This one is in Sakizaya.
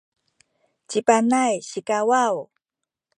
ci Panay sikawaw